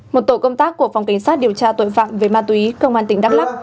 một tổ công tác của phòng cảnh sát điều tra tội phạm về ma túy công an tỉnh đắk lắc